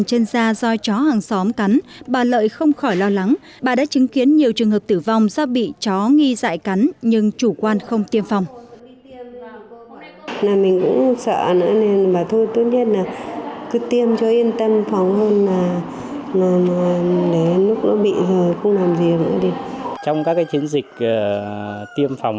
trên da do chó hàng xóm cắn bà lợi không khỏi lo lắng bà đã chứng kiến nhiều trường hợp tử vong do bị chó nghi dạy cắn nhưng chủ quan không tiêm phòng